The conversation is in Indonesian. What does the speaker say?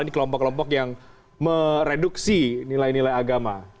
ini kelompok kelompok yang mereduksi nilai nilai agama